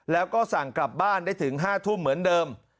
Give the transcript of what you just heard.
แล้วก็สั่งกลับบ้านได้ถึง๕ทุ่มเหมือนเดิม